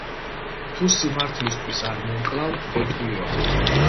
თუ სიმართლისთვის არ მომკლავ, გეტყვიო.